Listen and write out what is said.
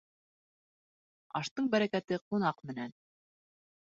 Аштың бәрәкәте ҡунаҡ менән.